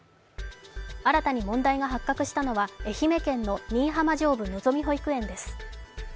新たに問題が発覚したのは愛媛県の新居浜上部のぞみ保育園です。